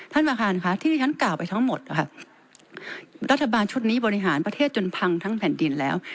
ท่านประธานค่ะที่ที่ฉันกล่าวไปทั้งหมดนะคะรัฐบาลชุดนี้บริหารประเทศจนพังทั้งแผ่นดินแล้ว